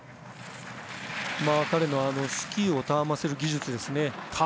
彼のスキーをたわませる技術ですね。